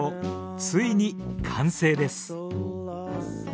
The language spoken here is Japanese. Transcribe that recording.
ついに完成です。